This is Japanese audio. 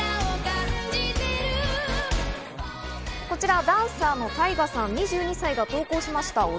こちらダンサーのタイガさん、２２歳が投稿しました、